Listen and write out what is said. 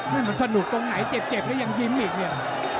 นี่มันสนุกตรงไหนเจ็บแล้วยังยิ้มอีกเนี่ย